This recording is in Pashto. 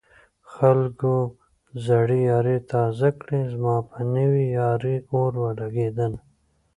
خلکو زړې يارۍ تازه کړې زما په نوې يارۍ اور ولګېدنه